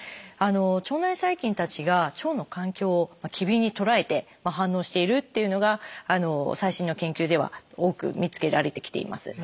腸内細菌たちが腸の環境を機敏に捉えて反応しているっていうのが最新の研究では多く見つけられてきています。